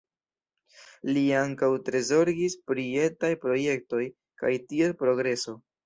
Li ankaŭ tre zorgis pri etaj projektoj kaj ties progreso.